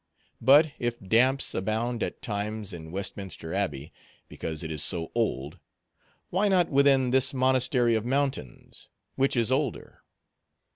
But, if damps abound at times in Westminster Abbey, because it is so old, why not within this monastery of mountains, which is older?